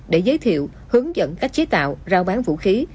để giới thiệu hướng dẫn cách chế tạo rao bán vũ khí